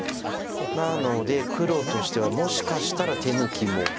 なので黒としてはもしかしたら手抜きも。